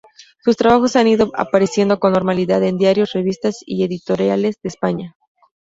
Sus trabajos han ido apareciendo con normalidad en diarios, revistas y editoriales de España.